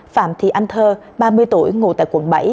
phạm thị anh thơ ba mươi tuổi ngủ tại quận bảy